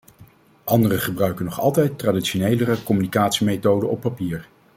Andere gebruiken nog altijd traditionelere communicatiemethoden op papier.